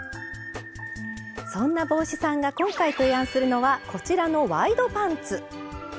そんな帽子さんが今回提案するのはこちらのワイドパンツ！